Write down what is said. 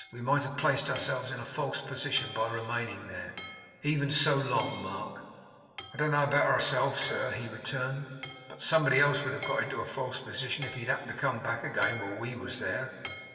We might have placed ourselves in a false position by remaining there, even so long, Mark.' 'I don't know about ourselves, sir,' he returned; 'but somebody else would have got into a false position, if he had happened to come back again, while we was there.